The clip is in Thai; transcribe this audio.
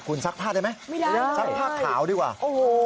คุณซักผ้าได้ไหมไม่ได้ซักผ้าขาวดีกว่าโอ้โห